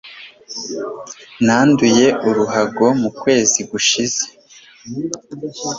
Nanduye uruhago mu kwezi gushize.